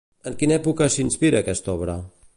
En quina època s'inspira aquesta obra?